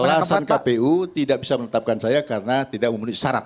alasan kpu tidak bisa menetapkan saya karena tidak memenuhi syarat